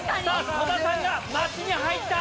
戸田さんが待ちに入った！